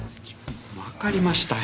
わかりましたよ。